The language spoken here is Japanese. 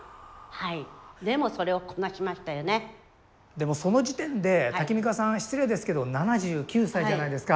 でもその時点でタキミカさん失礼ですけど７９歳じゃないですか。